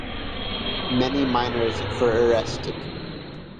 Many miners were arrested.